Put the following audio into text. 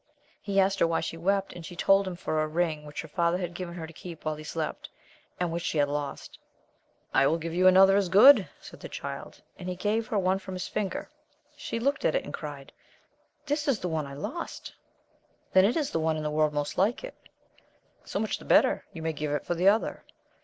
He asked her why she wept, and she told him for a ring, which her father had given her to keep while he slept, aiid^\n.c\i ^\ift \i^\Q^V \ ^t^ ^e;:^'^ AMADIS OF GAUL 61 you another as good, said the Child, and he gave her one from his finger. She looked at it, and cried, this is the one I lost. Not so, said he. — Then it is the one in the world most like it. So much the better : you may give it for the other.